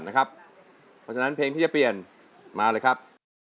เพราะฉะนั้นเพลงที่จะเปลี่ยนมาเลยครับ